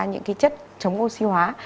những cái chất chống oxy hóa